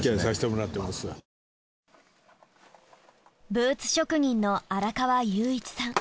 ブーツ職人の荒川裕一さん。